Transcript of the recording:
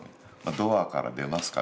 「ドアから出ますか？」